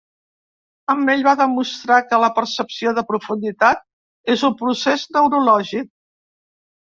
Amb ell va demostrar que la percepció de profunditat és un procés neurològic.